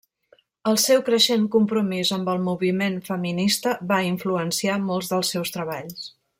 El seu creixent compromís amb el moviment feminista va influenciar molts dels seus treballs.